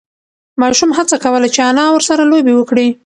ماشوم هڅه کوله چې انا ورسره لوبه وکړي.